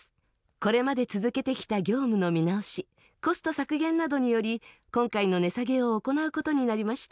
これまで続けてきた業務の見直し、コスト削減などにより、今回の値下げを行うことになりました。